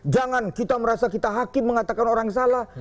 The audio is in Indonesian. jangan kita merasa kita hakim mengatakan orang salah